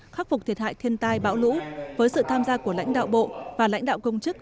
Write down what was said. khắc phục thiệt hại thiên tai bão lũ với sự tham gia của lãnh đạo bộ và lãnh đạo công chức